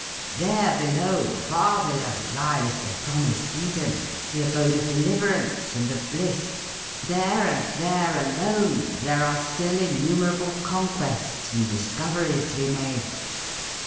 There, below, far below, lies the promised Eden, the abode of deliverance and of bliss: there, and there alone, there are still innumerable conquests and discoveries to be made!